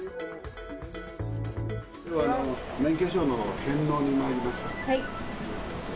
きょうは免許証の返納に参りました。